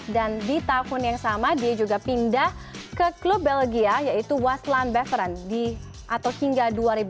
dan di tahun yang sama dia juga pindah ke klub belgia yaitu waslan beveran atau hingga dua ribu enam belas